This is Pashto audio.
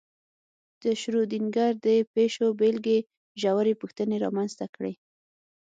د شرودینګر د پیشو بېلګې ژورې پوښتنې رامنځته کړې.